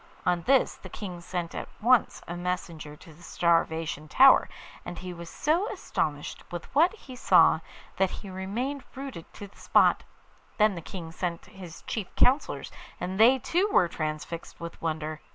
On this the King sent at once a messenger to the Starvation Tower, and he was so astonished with what he saw that he remained rooted to the spot. Then the King sent his chief counsellors, and they too were transfixed with wonder.